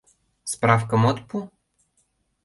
— Справкым от пу?